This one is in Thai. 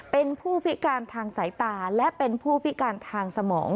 เป็นผู้พิการทางสายตาและเป็นผู้พิการทางสมอง